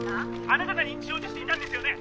あなたが認知症にしていたんですよね？